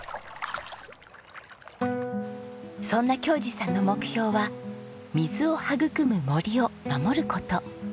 そんな恭嗣さんの目標は水を育む森を守る事。